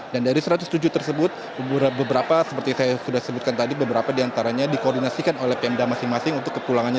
dan dari satu ratus tujuh tersebut beberapa seperti saya sudah sebutkan tadi beberapa diantaranya dikoordinasikan oleh pmd masing masing untuk kepulangannya